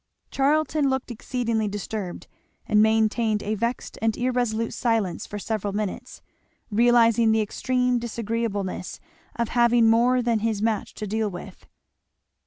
Charlton looked exceedingly disturbed, and maintained a vexed and irresolute silence for several minutes, realizing the extreme disagreeableness of having more than his match to deal with.